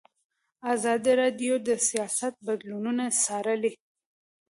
ازادي راډیو د سیاست بدلونونه څارلي.